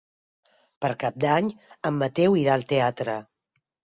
Per Cap d'Any en Mateu irà al teatre.